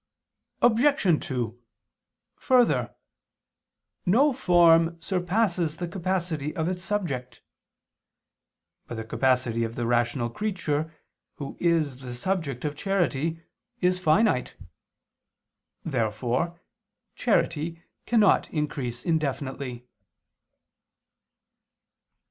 Obj. 2: Further, no form surpasses the capacity of its subject. But the capacity of the rational creature who is the subject of charity is finite. Therefore charity cannot increase indefinitely.